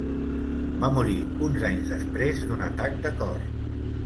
Va morir uns anys després d'un atac de cor.